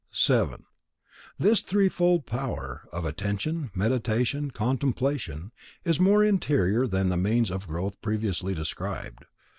7. This threefold power, of Attention, Meditation, Contemplation, is more interior than the means of growth previously described.